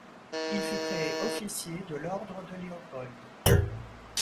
Il fut créé officier de l'ordre de Léopold.